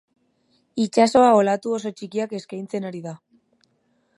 Itsasoa olatu oso txikiak eskaintzen ari da.